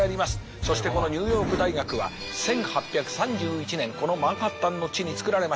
そしてこのニューヨーク大学は１８３１年このマンハッタンの地につくられました。